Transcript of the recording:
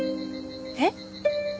えっ？